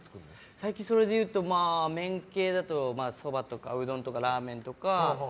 最近、麺系だとそばとかうどんとかラーメンとか。